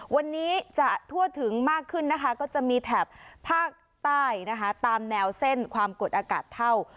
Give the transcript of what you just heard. วันนี้จะทั่วถึงมากขึ้นนะคะก็จะมีแถบภาคใต้นะคะตามแนวเส้นความกดอากาศเท่า